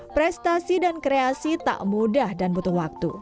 prestasi dan kreasi tak mudah dan butuh waktu